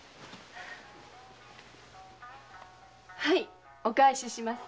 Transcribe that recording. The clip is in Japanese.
はいお返しします。